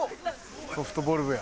ソフトボール部や。